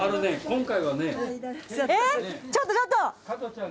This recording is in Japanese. ちょっとちょっと。